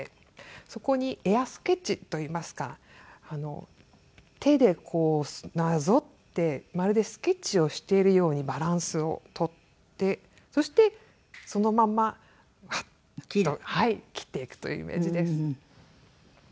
そこにエアスケッチといいますか手でこうなぞってまるでスケッチをしているようにバランスを取ってそしてそのままワッと切っていくというイメージです。